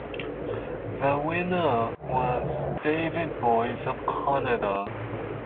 The winner was David Boys of Canada.